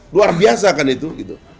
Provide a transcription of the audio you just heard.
luar biasa kan itu